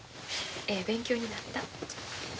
ええ勉強になった。